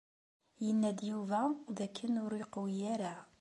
Yenna-d Yuba dakken ur yeqwi ara.